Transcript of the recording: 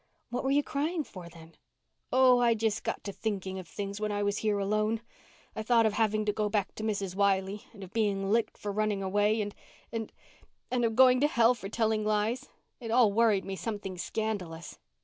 "What were you crying for then?" "Oh, I just got to thinking of things when I was here alone. I thought of having to go back to Mrs. Wiley—and of being licked for running away—and—and—and of going to hell for telling lies. It all worried me something scandalous."